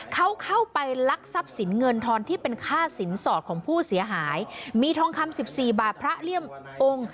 เขาเข้าไปลักทรัพย์สินเงินทอนที่เป็นค่าสินสอดของผู้เสียหายมีทองคำสิบสี่บาทพระเลี่ยมองค์